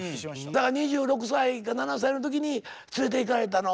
だから２６歳か２７歳の時に連れていかれたの宣伝のために。